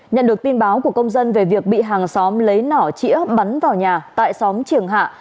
nhận được tin báo của công dân về việc bị hàng xóm lấy nỏ chĩa bắn vào nhà tại xóm triềng hạ